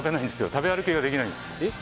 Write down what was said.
食べ歩きができないんです。